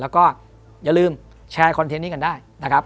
แล้วก็อย่าลืมแชร์คอนเทนต์นี้กันได้นะครับ